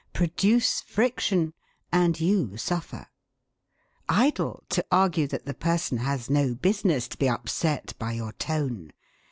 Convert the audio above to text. Produce friction, and you suffer. Idle to argue that the person has no business to be upset by your tone!